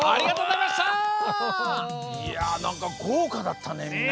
いやなんかごうかだったね。